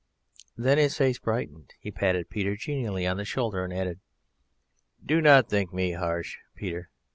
Then his face brightened, he patted Peter genially on the shoulder and added: "Do not think me harsh, Peter.